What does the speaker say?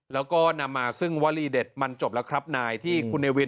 แล้วก็นำมาซึ่งวลีเด็ดมันจบแล้วครับนายที่คุณเนวิน